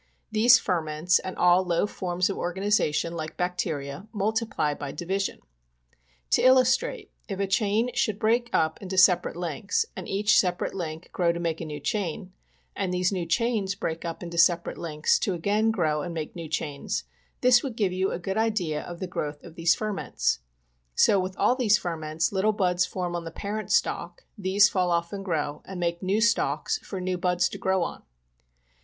These ferments and all low forms of organization like bacteria, multiply by division .To illustrate, if a chain should break up into seperate links, and each seperate link grow to make a new chain, and these new chains break up into seperate links to again grow and make new chains, this would give you a good idea of the growth of these ferments — so with these ferments little buds form on the parent stalk, these fall off and grow, and make new stalks for new buds to grow on.